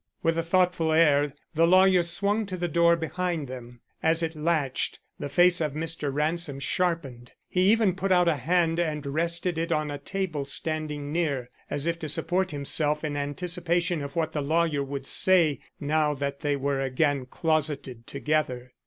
With a thoughtful air, the lawyer swung to the door behind them. As it latched, the face of Mr. Ransom sharpened. He even put out a hand and rested it on a table standing near, as if to support himself in anticipation of what the lawyer would say now that they were again closeted together.